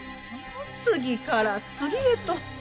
次から次へと。